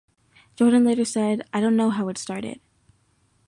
Jordan later said, I don't know how it started.